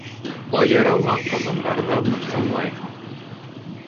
Айырылған ҡатындарҙы мыҫҡыллайһың.